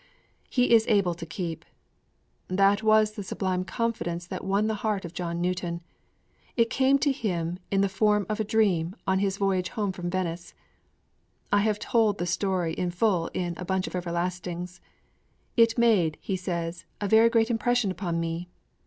_' III 'He is able to keep!' That was the sublime confidence that won the heart of John Newton. It came to him in the form of a dream on his voyage home from Venice. I have told the story in full in A Bunch of Everlastings. 'It made,' he says, 'a very great impression upon me!'